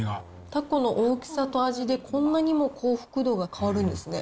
たこの大きさと味でこんなにも幸福度が変わるんですね。